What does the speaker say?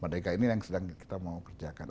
merdeka ini yang sedang kita mau kerjakan